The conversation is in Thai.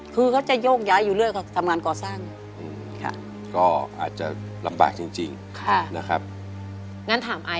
เขาจะยกย้ายอยู่เรื่อยทำงานก่อสร้าง